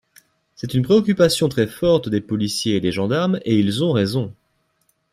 C’est une préoccupation très forte des policiers et des gendarmes, et ils ont raison.